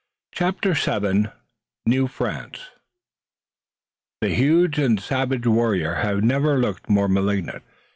CHAPTER VII NEW FRANCE The huge and savage warrior had never looked more malignant.